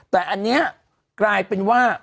แต่อันนี้กลายเป็นว่า